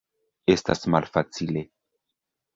Estas malfacile.